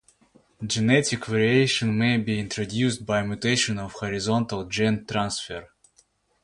Genetic variation may be introduced by mutation or horizontal gene transfer.